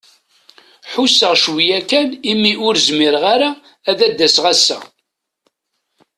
Ḥuseɣ cwiya kan i mi ur zmireɣ ara ad d-aseɣ ass-a.